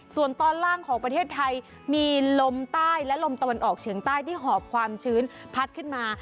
ส่วนตอนล่างของประเทศไทยมีลมใต้และลมตะวันออกเฉียงใต้ที่หอบความชื้นพัดขึ้นมา